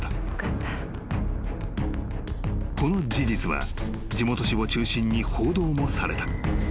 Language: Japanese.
［この事実は地元紙を中心に報道もされた］